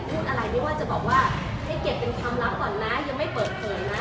เพราะว่าจะบอกว่าให้เก็บเป็นคำลักษณ์ก่อนนะยังไม่เปิดเผยนะ